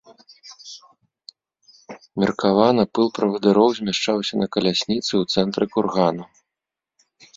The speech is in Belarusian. Меркавана, пыл правадыроў змяшчаўся на калясніцы ў цэнтры кургана.